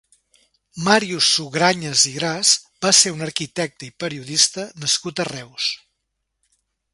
Màrius Sugrañes i Gras va ser un arquitecte i periodista nascut a Reus.